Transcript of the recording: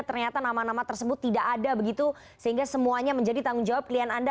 ternyata nama nama tersebut tidak ada begitu sehingga semuanya menjadi tanggung jawab klien anda